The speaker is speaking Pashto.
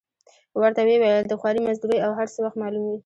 ورته ویې ویل: د خوارۍ مزدورۍ او هر څه وخت معلوم وي.